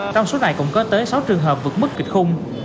trong số này cũng có tới sáu trường hợp vượt mức kịch khung